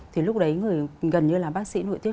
thì lúc đấy người gần như là bác sĩ nội tuyết